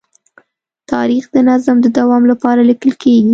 تاریخ د نظم د دوام لپاره لیکل کېږي.